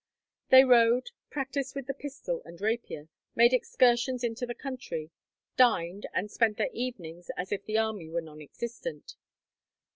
They rode, practised with the pistol and rapier, made excursions into the country, dined, and spent their evenings as if the army were nonexistent.